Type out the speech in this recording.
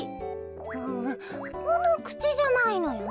うんこのくちじゃないのよね。